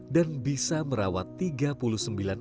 dan bisa merawat tersebut